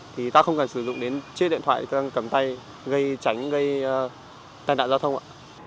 thì ta không cần sử dụng đến chiếc điện thoại đang cầm tay gây tránh gây tàn đạn giao thông ạ